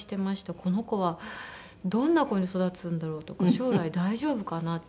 「この子はどんな子に育つんだろう？」とか「将来大丈夫かな？」っていうのは。